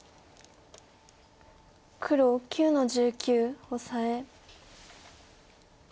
黒９の十九オサエ。